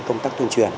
công tác tuyên truyền